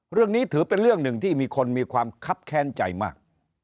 เรื่องนี้ถือเป็นเรื่องหนึ่งที่มีคนมีความคับแค้นใจมาก